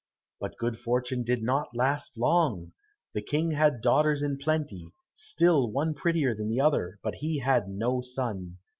But good fortune did not last long. The King had daughters in plenty, one still prettier than the other, but he had no son.